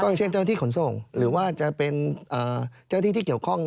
อย่างเช่นเจ้าที่ขนส่งหรือว่าจะเป็นเจ้าที่ที่เกี่ยวข้อง